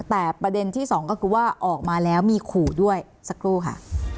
แต่ประเด็นที่สองก็คือว่าออกมาแล้วมีขู่ด้วยสักครู่ค่ะ